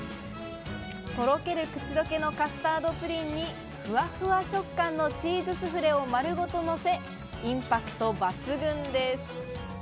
とろける口どけのカスタードプリンに、ふわふわ食感のチーズスフレを丸ごとのせ、インパクト抜群です。